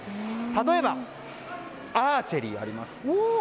例えば、アーチェリーがあります。